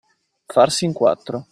Farsi in quattro.